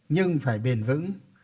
nhưng phải bền vững